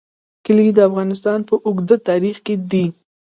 کلي د افغانستان په اوږده تاریخ کې دي.